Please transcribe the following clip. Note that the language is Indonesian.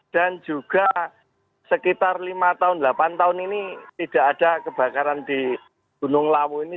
dan juga sekitar lima tahun delapan tahun ini tidak ada kebakaran di gunung lawu ini